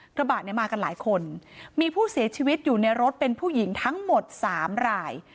กระบะเนี่ยมากันหลายคนมีผู้เสียชีวิตอยู่ในรถเป็นผู้หญิงทั้งหมด๓ราย